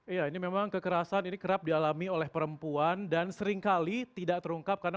iya ini memang kekerasan ini kerap dialami oleh perempuan dan seringkali tidak terungkap karena